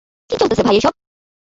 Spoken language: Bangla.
কি চলতেছে ভাই এইসব?